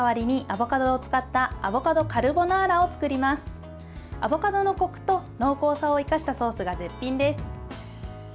アボカドのこくと濃厚さを生かしたソースが絶品です。